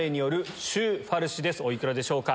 お幾らでしょうか？